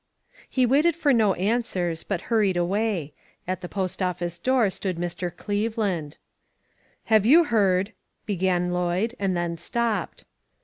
He waited for no answers but hurried away. At the postoffice door stood Mr. Cleveland. "Have you heard," began Lloyd, and then stopped.